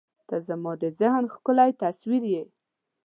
• ته زما د ذهن ښکلی تصویر یې.